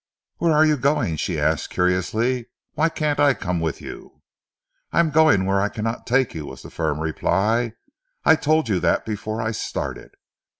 "Where are you going?" she asked curiously. "Why can't I come with you?" "I am going where I cannot take you," was the firm reply. "I told you that before I started."